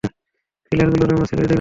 টিলাগুলোর রঙও ছিল হৃদয় কাঁপানো।